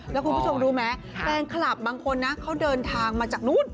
แล้วคุณผู้ชมรู้ไหมแฟนคลับบางคนนะเขาเดินทางมาจากนู้น